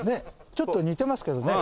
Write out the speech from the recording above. ちょっと似てますけどね。